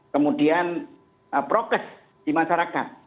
kemudian prokes di masyarakat